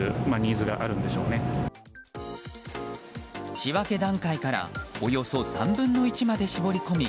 仕分け段階からおよそ３分の１まで絞り込み